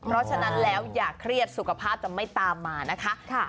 เพราะฉะนั้นแล้วอย่าเครียดสุขภาพจะไม่ตามมานะคะ